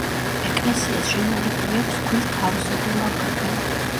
ეკლესიას შემოვლებული აქვს ქვის თაროსებრი ლავგარდანი.